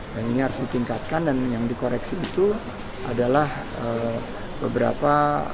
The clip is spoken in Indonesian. dan ini harus ditingkatkan dan yang dikoreksi itu adalah beberapa